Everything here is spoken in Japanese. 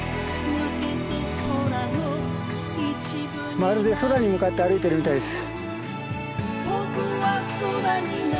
まるで空に向かって歩いてるみたいです。